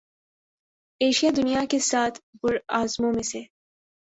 Asia دنیا کے سات براعظموں میں سے